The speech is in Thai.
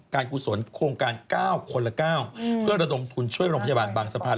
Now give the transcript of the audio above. กุศลโครงการ๙คนละ๙เพื่อระดมทุนช่วยโรงพยาบาลบางสะพาน